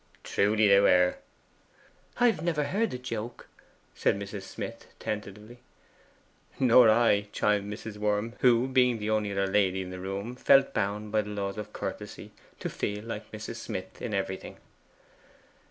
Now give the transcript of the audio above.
'Trewly they were.' 'I've never heard the joke,' said Mrs. Smith tentatively. 'Nor I,' chimed in Mrs. Worm, who, being the only other lady in the room, felt bound by the laws of courtesy to feel like Mrs. Smith in everything.